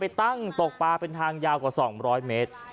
ตั้งตกปลาเป็นทางยาวกว่า๒๐๐เมตร